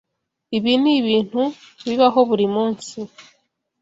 Ibi nibintu bibaho buri munsi.